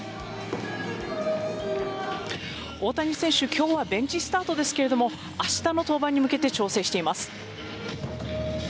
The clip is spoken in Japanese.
今日はベンチスタートですが明日の登板に向けて調整しています。